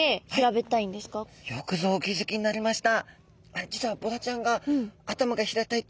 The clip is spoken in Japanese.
よくぞお気づきになりました。